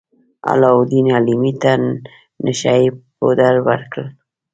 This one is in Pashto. علاوالدین حلیمې ته نشه يي پوډر ورکړل.